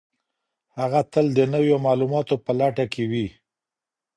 هغه تل د نويو معلوماتو په لټه کي وي.